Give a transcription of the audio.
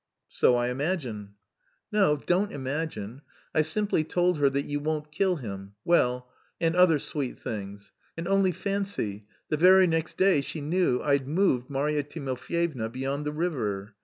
"So I imagine." "No, don't imagine, I've simply told her that you won't kill him, well, and other sweet things. And only fancy; the very next day she knew I'd moved Marya Timofyevna beyond the river.